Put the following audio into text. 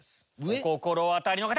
お心当たりの方！